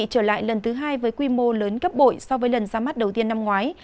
trở lại lần thứ hai với quy mô lớn cấp bội so với lần ra mắt đầu tiên năm ngoái